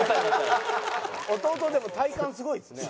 弟でも体幹すごいですね。